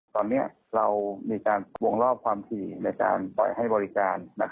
ตอนนี้เรามีการวงรอบความถี่ในการปล่อยให้บริการ